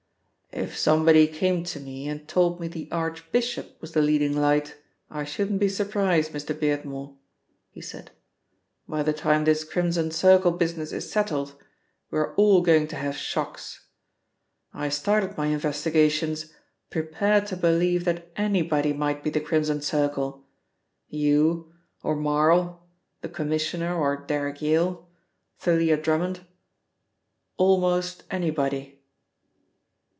"If somebody came to me and told me the Archbishop was the leading light, I shouldn't be surprised, Mr. Beardmore," he said. "By the time this Crimson Circle business is settled, we are all going to have shocks. I started my investigations prepared to believe that anybody might be the Crimson Circle you, or Marl, the Commissioner or Derrick Yale, Thalia Drummond almost anybody."